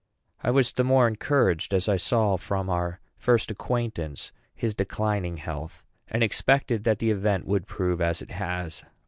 I was the more encouraged, as I saw, from our first acquaintance, his declining health, and expected that the event would prove as it has.